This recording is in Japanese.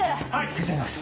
手伝います。